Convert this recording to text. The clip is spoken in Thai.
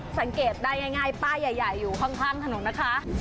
สังเกตได้ง่ายป้ายใหญ่อยู่ข้างถนนนะคะ